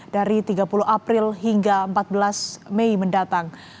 dari tiga puluh april hingga empat belas mei mendatang